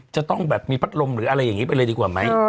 จะต้องแบบมีพัดลมหรืออะไรอย่างนี้ไปเลยดีกว่าไหม